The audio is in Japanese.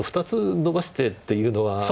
２つ伸ばしてっていうのは。